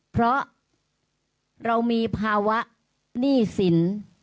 เพราะเรามีภาวะหนี้สิน